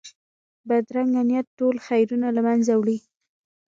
بدرنګه نیت ټول خیرونه له منځه وړي